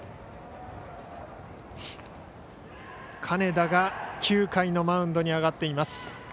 金田が９回のマウンドに上がっています。